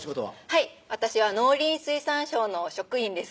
はい私は農林水産省の職員です